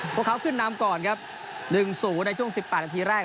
พวกเขาขึ้นน้ำก่อนครับหนึ่งสูงในช่วงสิบแปดนาทีแรก